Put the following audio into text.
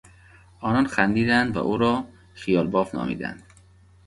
آنان خندیدند و او را خیالباف نامیدند.